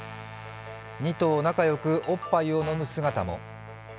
２頭仲良くおっぱいを飲む姿も。